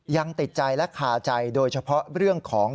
ยังติดใจและคาใจโดยเฉพาะเรื่องของ